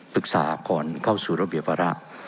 ศึกษาก่อนเข้าสู่ระเบียบรรละ